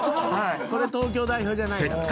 これ東京代表じゃないよ。